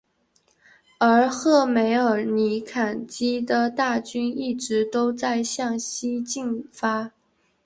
而赫梅尔尼茨基的大军一直都在向西进发。